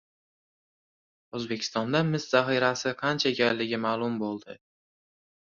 O‘zbekistonda mis zaxirasi qancha ekanligi ma’lum bo‘ldi